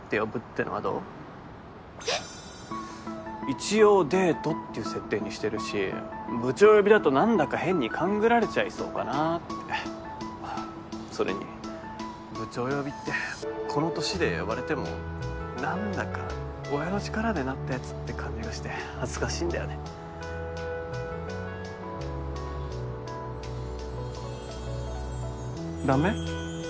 一応デートっていう設定にしてるし部長呼びだと何だか変に勘ぐられちゃいそうかなってそれに部長呼びってこの年で呼ばれても何だか親の力でなったヤツって感じがして恥ずかしいんだよねダメ？